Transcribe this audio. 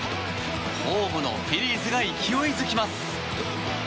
ホームのフィリーズが勢いづきます。